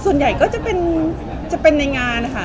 ส่วนใหญ่ก็จะเป็นในงานค่ะ